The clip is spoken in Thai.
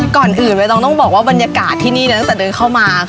ก่อนอื่นใบตองต้องบอกว่าบรรยากาศที่นี่ตั้งแต่เดินเข้ามา